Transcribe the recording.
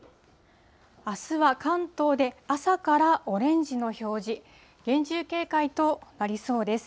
あすは関東で、朝からオレンジの表示、厳重警戒となりそうです。